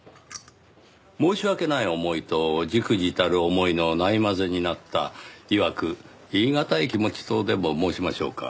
申し訳ない思いと忸怩たる思いのない交ぜになったいわく言い難い気持ちとでも申しましょうか。